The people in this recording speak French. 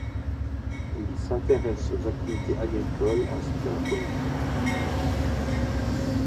Il s'intéresse aux activités agricoles, ainsi qu'à la politique.